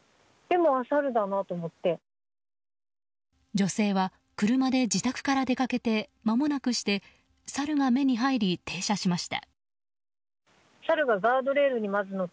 女性は車で自宅から出かけてまもなくしてサルが目に入り停車しました。